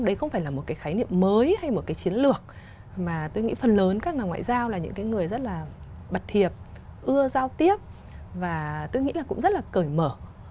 đấy không phải là một cái khái niệm mới hay một cái chiến lược mà tôi nghĩ phần lớn các nhà ngoại giao là những cái người rất là bật thiệp ưa giao tiếp và tôi nghĩ là cũng rất là cởi mở